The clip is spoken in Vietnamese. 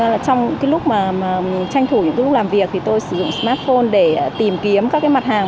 trong lúc mà tranh thủ trong lúc làm việc thì tôi sử dụng smartphone để tìm kiếm các mặt hàng